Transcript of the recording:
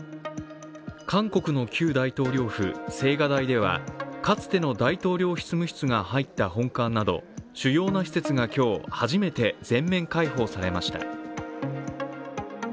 韓国の旧大統領府、青瓦台ではかつての大統領執務室が入った本館など主要な施設が今日、初めて全面開放されました。